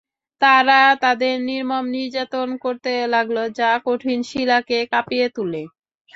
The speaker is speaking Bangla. তারা তাদের নির্মম নির্যাতন করতে লাগল, যা কঠিন শিলাকে কাঁপিয়ে তুলে।